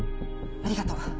ありがとう。